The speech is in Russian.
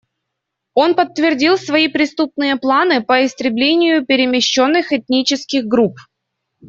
Он подтвердил свои преступные планы по истреблению перемещенных этнических групп.